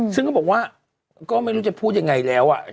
ซึ่งก็บอกว่าก็ไม่รู้จะพูดยังไงแล้วอ่ะ